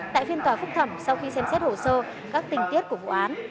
tại phiên tòa phúc thẩm sau khi xem xét hồ sơ các tình tiết của vụ án